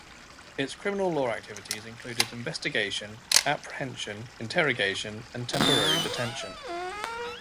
Its criminal law activities included investigation, apprehension, interrogation, and temporary detention.